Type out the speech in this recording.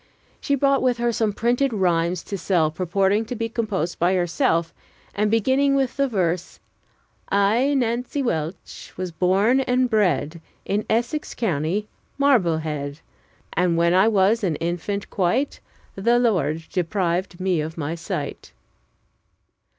She brought with her some printed rhymes to sell, purporting to be composed by herself, and beginning with the verse: "I, Nancy Welsh, was born and bred In Essex County, Marblehead. And when I was an infant quite The Lord deprived me of my sight."